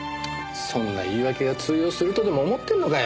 そんな言い訳が通用するとでも思ってんのかよ！？